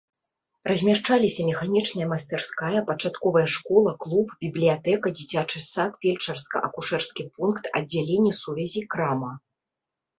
Размяшчаліся механічная майстэрская, пачатковая школа, клуб, бібліятэка, дзіцячы сад, фельчарска-акушэрскі пункт, аддзяленне сувязі, крама.